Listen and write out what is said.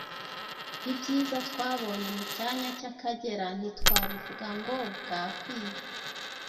Ibyiza twabonye mu cyanya cy’Akagera ntitwabivuga ngo bwakwira